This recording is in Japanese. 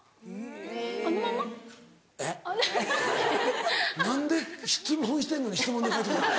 えっ？何で質問してんのに質問で返ってきたん？